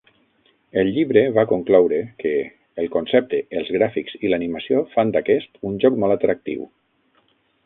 El llibre va concloure que "el concepte, els gràfics i l'animació fan d'aquest un joc molt atractiu".